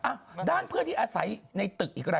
อ่ะด้านเพื่อนที่อาศัยในตึกอีกราย